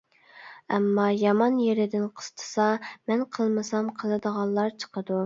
ئەمما يامان يېرىدىن قىستىسا، مەن قىلمىسام قىلىدىغانلار چىقىدۇ.